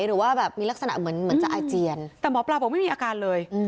หรือว่าแบบมีลักษณะเหมือนจะอาเจียนแต่หมอปลาบอกไม่มีอาการเลย